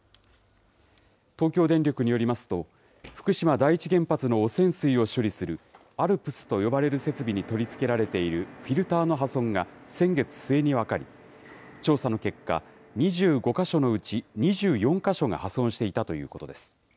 東京電力によりますと、福島第一原発の汚染水を処理する、ＡＬＰＳと呼ばれる設備に取り付けられているフィルターの破損が先月末に分かり、調査の結果、２５か所のうち２４か所が破損していたということです。